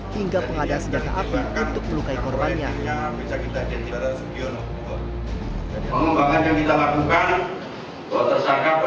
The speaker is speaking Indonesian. hingga pengadaan senjata api untuk melukai korbannya